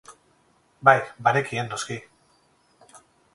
Bai, banekien, noski.